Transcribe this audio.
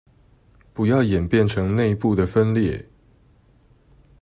不要演變成内部的分裂